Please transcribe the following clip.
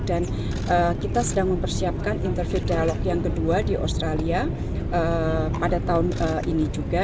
dan kita sedang mempersiapkan interfaith dialog yang kedua di australia pada tahun ini juga